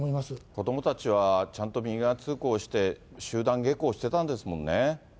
子どもたちはちゃんと右側通行して、集団下校してたんですもんね。